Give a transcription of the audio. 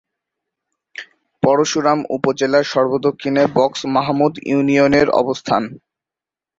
পরশুরাম উপজেলার সর্ব-দক্ষিণে বক্স মাহমুদ ইউনিয়নের অবস্থান।